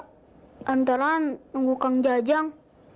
tunggu saja tunggu kang jajang